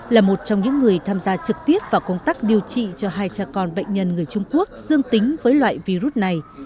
là một trong những người tham gia trực tiếp vào công tác điều trị cho hai cha con bệnh nhân người trung quốc dương tính với loại virus này